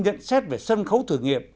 nhận xét về sân khấu thử nghiệm